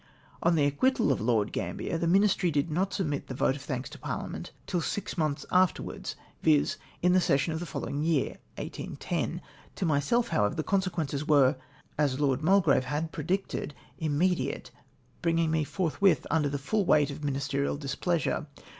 f On the acquittal of Lord Gambler, the ministry did not submit the vote of thanks to Parhament till six months afterwards, viz, in the session of the following year, 1810. To myself, however, the consequences were — as Lord Mulgrave had predicted — immediate ; bringing me forthwith under the full weight of ministerial displeasure.